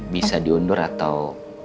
bisa diundur atau